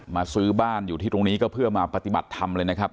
ซื้อบ้านอยู่ที่ตรงนี้ก็เพื่อมาปฏิบัติธรรมเลยนะครับ